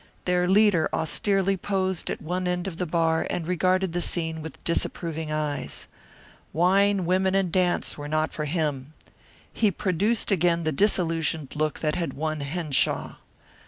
Their leader austerely posed at one end of the bar and regarded the scene with disapproving eyes. Wine, women, and the dance were not for him. He produced again the disillusioned look that had won Henshaw.